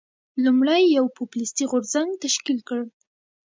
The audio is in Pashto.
لومړی یو پوپلیستي غورځنګ تشکیل کړ.